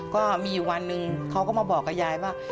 ก็มีอยู่วันหนึ่งเขาก็มาบอกกับยายว่า